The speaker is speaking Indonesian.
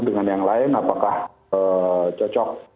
dengan yang lain apakah cocok